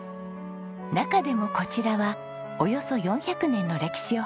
中でもこちらはおよそ４００年の歴史を誇る老舗。